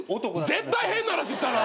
絶対変な話したな！